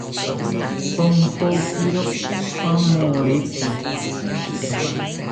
Ompokiro ramoreke